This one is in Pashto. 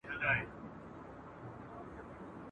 وخت به پر تڼاکو ستا تر کلي دروستلی یم !.